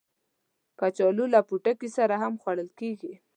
کچالو له پوټکي سره هم خوړل کېږي